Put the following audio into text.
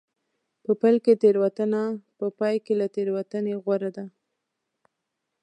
په پیل کې تېروتنه په پای کې له تېروتنې غوره ده.